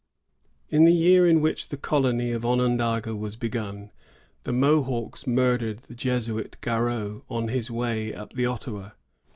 In the year in which the colony at Onondaga was begun, the Mohawks murdered the Jesuit Garreau on his way up the Ottawa.